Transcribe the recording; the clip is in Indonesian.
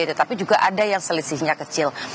tetapi juga ada yang selisihnya kecil